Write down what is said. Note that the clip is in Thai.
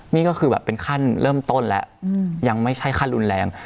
นี่ก็คือแบบเป็นขั้นเริ่มต้นแล้วยังไม่ใช่ขั้นรุนแรง